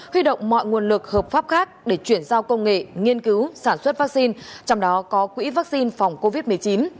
huy động mọi nguồn lực hợp pháp khác để chuyển giao công nghệ nghiên cứu sản xuất vaccine trong đó có quỹ vaccine phòng covid một mươi chín